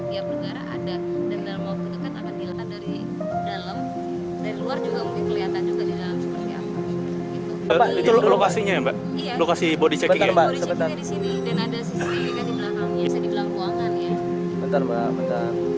itu lokasi body checking ya mbak